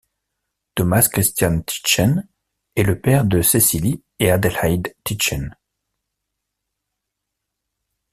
Thomas Christian Tychsen est le père de Cécilie et Adelheid Tychsen.